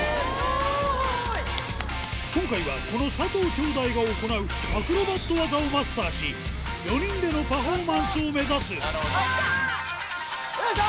今回はこの佐藤兄弟が行うアクロバット技をマスターし４人でのパフォーマンスを目指すはいよいしょ！